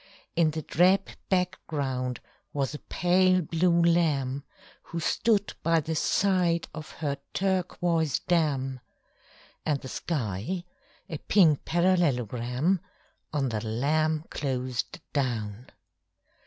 In the drab background was a pale blue lamb Who stood by the side of her turquoise dam, And the sky a pink parallelogram On the lamb closed down.